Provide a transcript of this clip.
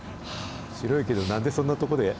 白いけど、なんでそんなとこで？